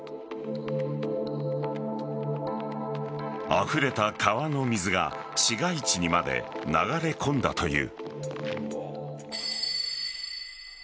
あふれた川の水が市街地にまで流れ込んだという。